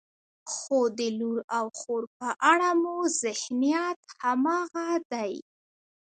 خو د لور او خور په اړه مو ذهنیت همغه دی.